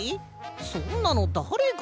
そんなのだれが。